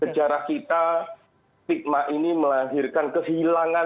sejarah kita stigma ini melahirkan kehilangan